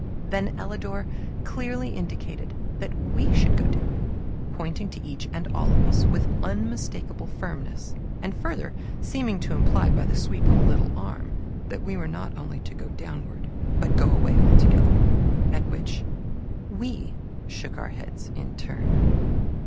Then Ellador clearly indicated that we should go down, pointing to each and all of us, with unmistakable firmness; and further seeming to imply by the sweep of a lithe arm that we not only go downward, but go away altogether at which we shook our heads in turn.